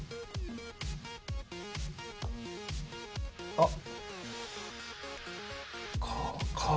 あっ。